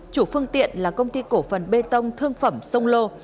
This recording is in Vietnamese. chủ phương tiện là công ty cổ phần bê tông thương phẩm sông lô